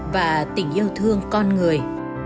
và tình yêu thương con người